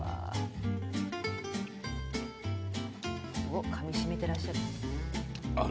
おっかみしめてらっしゃる。